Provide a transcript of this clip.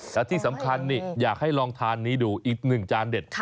และที่สำคัญนี่อยากให้ลองทานนี้ดูอีกหนึ่งจานเด็ด